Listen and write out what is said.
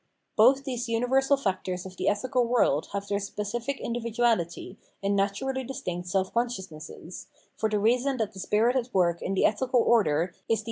Both these universal factors of the ethical world have their specific individuahty in naturally distinct self consciousnesses, for the reason that the spirit at work in the ethical order is the im * Cp.